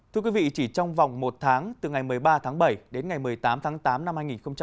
thưa quý vị chỉ trong vòng một tháng từ ngày một mươi ba tháng bảy đến ngày một mươi tám tháng tám năm hai nghìn hai mươi ba